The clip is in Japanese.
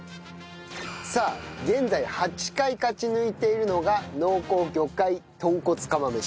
さあ現在８回勝ち抜いているのが濃厚魚介豚骨釜飯。